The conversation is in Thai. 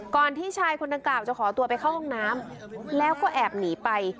ที่ชายคนดังกล่าวจะขอตัวไปเข้าห้องน้ำแล้วก็แอบหนีไป